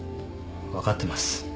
分かってます。